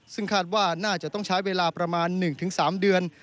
ซึ่งคาดว่าน่าจะต้องใช้เวลาประมาณ๑๓เดือน